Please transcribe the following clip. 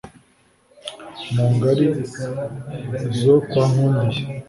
Mu ngari zo kwa Nkundiye